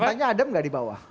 faktanya adem tidak di bawah